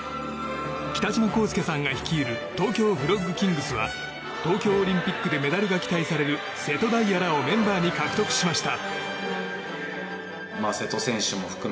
北島康介さんが率いる東京フロッグキングスは東京オリンピックでメダルが期待される瀬戸大也らをメンバーに獲得しました。